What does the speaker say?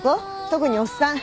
特におっさん。